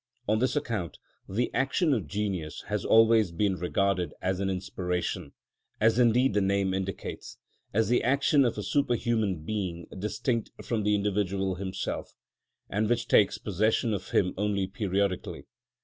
On this account the action of genius has always been regarded as an inspiration, as indeed the name indicates, as the action of a superhuman being distinct from the individual himself, and which takes possession of him only periodically.